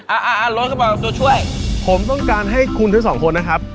อ่ะอ่ะอ่ะรถกระเป๋าตัวช่วยผมต้องการให้คุณทั้งสองคนนะครับ